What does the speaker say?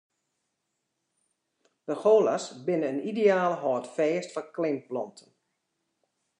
Pergola's binne in ideaal hâldfêst foar klimplanten.